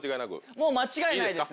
もう間違いないですね。